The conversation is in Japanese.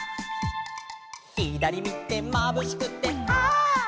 「ひだりみてまぶしくてはっ」